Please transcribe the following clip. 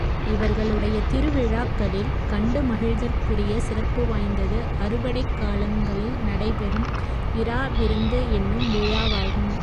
இவர்களுடைய திருவிழாக்களில் கண்டு மகிழ்தற்குரிய சிறப்புவாய்ந்தது, அறுவடைக் காலங்களில் நடைபெறும் இரா விருந்து என்னும் விழாவாகும்.